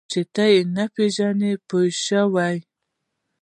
چې ته یې نه پېژنې پوه شوې!.